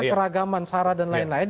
keragaman sara dan lain lain